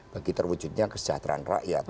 bagi terwujudnya kesejahteraan rakyat